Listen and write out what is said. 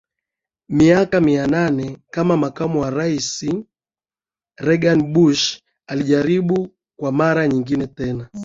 miaka minane kama makamu wa rais wa Reagan Bush alijaribu kwa mara nyingine tena